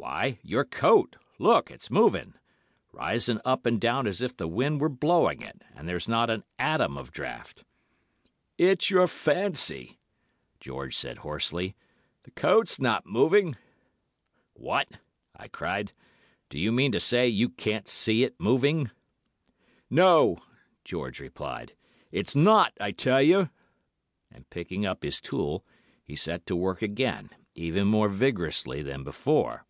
"'Why, your coat! Look! it's moving—rising up and down as if the wind were blowing it—and there's not an atom of draught.' "'It's your fancy,' George said hoarsely. 'The coat's not moving.' "'What,' I cried, 'do you mean to say you can't see it moving?' "'No,' George replied. 'It's not, I tell you.' And picking up his tool he set to work again, even more vigorously than before.